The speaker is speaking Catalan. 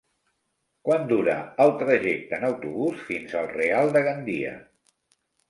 Quant dura el trajecte en autobús fins al Real de Gandia?